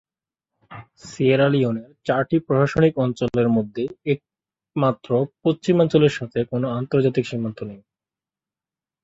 Sierra লিওনের চারটি প্রশাসনিক অঞ্চলের মধ্যে একমাত্র পশ্চিমাঞ্চলের সাথে কোন আন্তর্জাতিক সীমান্ত নেই।